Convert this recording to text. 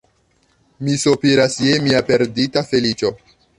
Mi sopiras je mia perdita feliĉo.